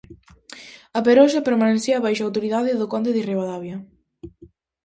A Peroxa permanecía baixo a autoridade do conde de Ribadavia.